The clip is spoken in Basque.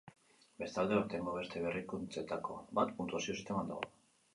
Bestalde, aurtengo beste berrikuntzetako bat puntuazio sisteman dago.